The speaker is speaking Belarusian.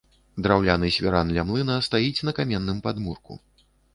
Драўляны свіран ля млына стаіць на каменным падмурку.